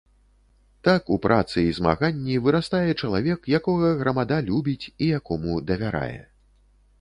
Так у працы і змаганні вырастае чалавек, якога грамада любіць і якому давярае.